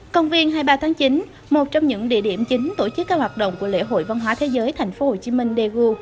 công viên hai mươi ba tháng chín một trong những địa điểm chính tổ chức các hoạt động của lễ hội văn hóa thế giới tp hcm daegu